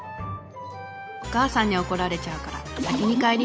お母さんに怒られちゃうから先に帰ります。